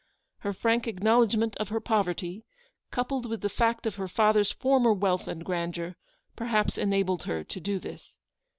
Her frank acknowledgment of her poverty, coupled with the fact of her father's former wealth and grandeur, perhaps enabled her to do this.